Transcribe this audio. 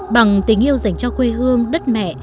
bằng tình yêu dành cho quê hương đất mẹ